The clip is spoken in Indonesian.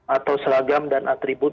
atau seagam dan atribut